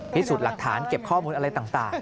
พิสูจน์หลักฐานเก็บข้อมูลอะไรต่าง